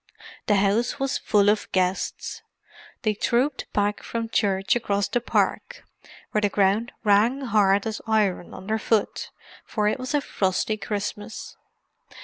The house was full of guests; they trooped back from church across the park, where the ground rang hard as iron underfoot, for it was a frosty Christmas.